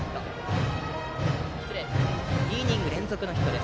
２イニング連続のヒット。